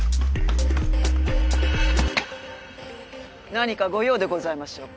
何かご用でございましょうか？